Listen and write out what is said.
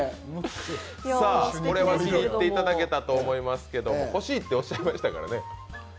これは気に入っていただけたと思いますけれども欲しいっておっしゃいましたからね。